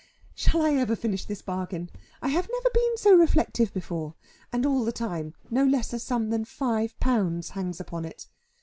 Shall I ever finish this bargain? I have never been so reflective before; and all the time no less a sum than five pounds hangs upon it.